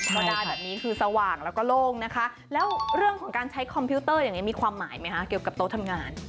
ก็ได้แบบนี้คือสว่างแล้วก็โล่งนะคะแล้วเรื่องของการใช้คอมพิวเตอร์อย่างนี้มีความหมายไหมคะเกี่ยวกับโต๊ะทำงาน